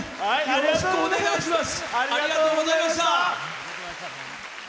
よろしくお願いします。